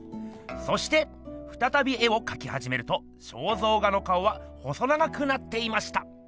そしてふたたび絵をかきはじめると肖像画の顔は細長くなっていました。